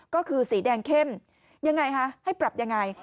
ก็คือสีแดงเข้มยังไงคะให้ปรับยังไง